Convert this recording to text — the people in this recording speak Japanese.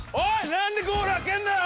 何でゴールあけるんだよ！